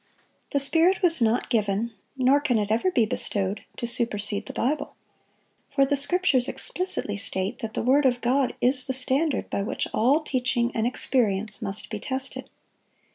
The Spirit was not given—nor can it ever be bestowed—to supersede the Bible; for the Scriptures explicitly state that the word of God is the standard by which all teaching and experience must be tested.